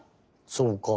そうか。